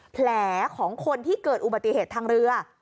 แผลของคนที่เกิดอุบัติเหตุทางเรือ